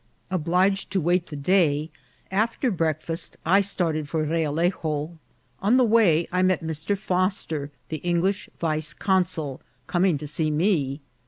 Obliged to wait the day, after breakfast I started for Realejo. On the way I met Mr. Foster, the English vice consul, coming to see me.